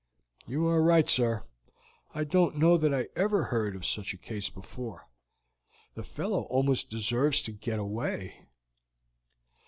"You are right, sir; I don't know that I ever heard of such a case before. The fellow almost deserves to get away."